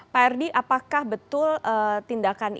pak r d apakah betul tindakan ini